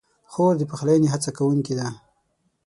خور د پخلاینې هڅه کوونکې ده.